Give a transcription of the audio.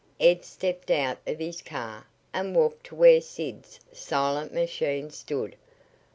Ed stepped out of his car and walked to where Sid's silent machine stood.